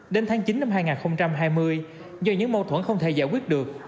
đến tháng chín năm hai nghìn hai mươi do những mâu thuẫn không thể giải quyết được